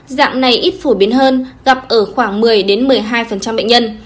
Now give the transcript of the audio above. dạng này ít phổ biến hơn gặp ở khoảng một mươi một mươi hai bệnh nhân